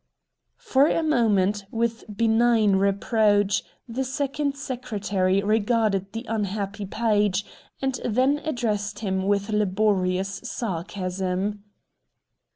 For a moment, with benign reproach, the Second Secretary regarded the unhappy page, and then addressed him with laborious sarcasm.